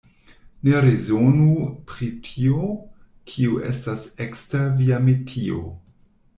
Ne rezonu pri tio, kio estas ekster via metio.